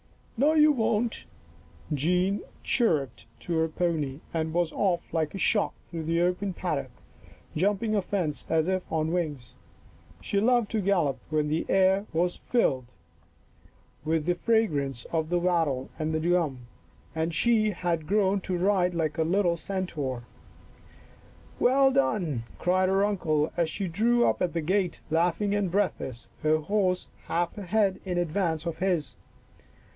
" No, you won't." Jean chirruped to her pony and was off like a shot through the open paddock, jumping a fence as if on wings. She loved to gallop when the air was filled with the 62 Our Little Australian Cousin fragrance of the wattle and the gum, and she had grown to ride like a little centaur. " Well done," cried her uncle as she drew up at the gate, laughing and breathless, her horse half a head in advance of his.